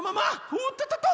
おっとっとっと！